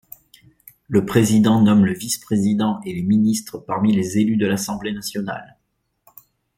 Le président nomme le vice-président et les ministres parmi les élus de l’Assemblée nationale.